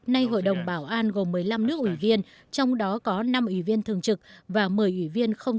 nay hội đồng bảo an gồm một mươi năm nước ủy viên trong đó có năm ủy viên thường trực và một mươi ủy viên không